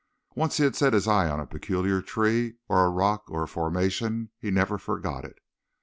Once he had set his eyes on a peculiar tree or a rock or a formation, he never forgot it.